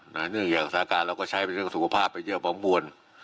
เนื่องจากสถานการณ์เราก็ใช้เป็นเรื่องสุขภาพไปเยอะพร้อมบวน